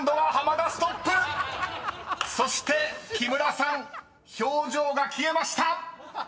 ［そして木村さん表情が消えました！］